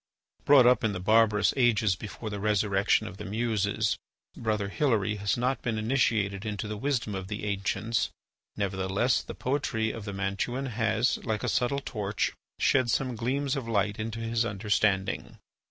Brought up in the barbarous ages before the resurrection of the Muses, Brother Hilary has not been initiated into the wisdom of the ancients; nevertheless, the poetry of the Mantuan has, like a subtle torch, shed some gleams of light into his understanding.